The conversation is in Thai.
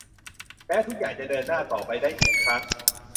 แล้วทุกอย่างจะเดินหน้าต่อไปได้อีกครั้ง